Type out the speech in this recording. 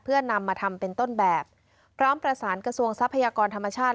เพื่อนำมาทำเป็นต้นแบบพร้อมประสานกระทรวงทรัพยากรธรรมชาติ